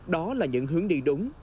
đó là những hướng đi đúng